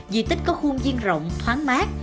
di tích có khuôn viên rộng thoáng mát